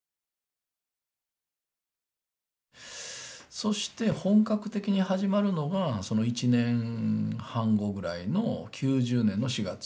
そして本格的に始まるのがその１年半後ぐらいの９０年の４月。